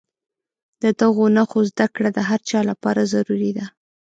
د دغو نښو زده کړه د هر چا لپاره ضروري ده.